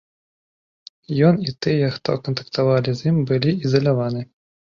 Ён і тыя, хто кантактавалі з ім, былі ізаляваны.